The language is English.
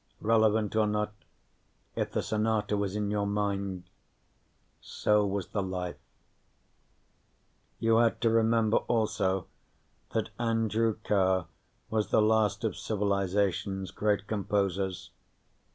Relevant or not, if the sonata was in your mind, so was the life. You had to remember also that Andrew Carr was the last of civilization's great composers.